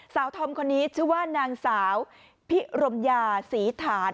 ธอมคนนี้ชื่อว่านางสาวพิรมยาศรีฐาน